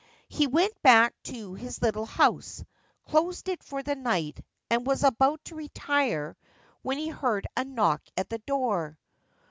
He went back to his little house, closed it for the night, and was about to retire when he heard a knock at the door.